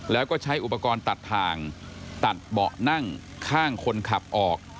แล้วก็ใช้อุปกรณ์ตัดทางตัดเบาะนั่งข้างคนขับออก